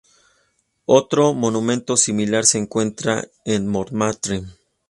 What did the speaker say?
Otro monumento similar se encuentra en Montmartre.